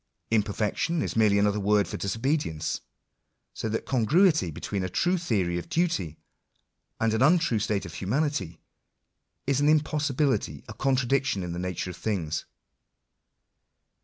Imperfection is merely another word for disobedience. So that congruity between a true theory of duty, and an untrue state of humanity, is an impossibility, a contradiction in the nature of things.